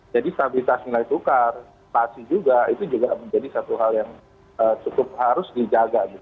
jadi stabilitas nilai tukar pasif juga itu juga menjadi satu hal yang cukup harus dijaga